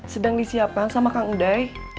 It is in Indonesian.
sedang disiapkan sama kang udai